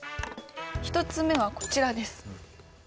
１つ目はこちらです。